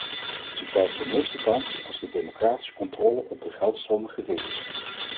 Ze krijgen de meeste kans als de democratische controle op de geldstromen gering is.